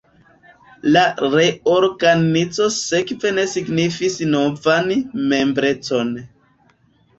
La reorganizo sekve ne signifis novan membrecon.